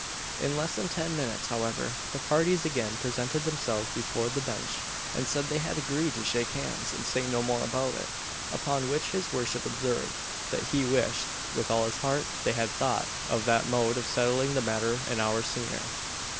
In less than ten minutes, however, the parties again presented themselves before the bench, and said they had agreed to shake hands and say no more about it; upon which his worship observed, that he wished with all his heart they had thought of that mode of settling the matter an hour sooner.